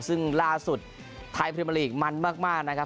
ซึ่งล่าสุดไทยพิมพ์อัลลีกส์มันมากนะครับ